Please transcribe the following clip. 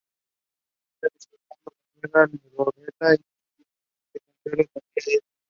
Hija de Fernando Barrera Legorreta y María del Consuelo Tapia Díaz.